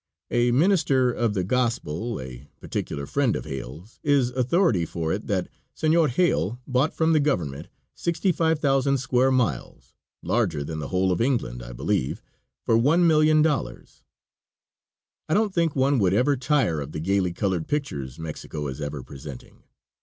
A minister of the Gospel, a particular friend of Hale's, is authority for it that Senor Hale bought from the Government sixty five thousand square miles larger than the whole of England, I believe for $1,000,000. I don't think one would ever tire of the gayly colored pictures Mexico is ever presenting.